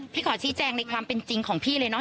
ขอชี้แจงในความเป็นจริงของพี่เลยเนอ